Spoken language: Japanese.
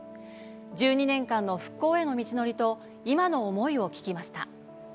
１２年間の復興への道のりと今の思いを聞きました。